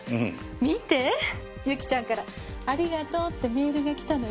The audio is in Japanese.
見てユキちゃんからありがとうってメールが来たのよ。